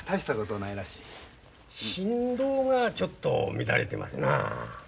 心臓がちょっと乱れてますなあ。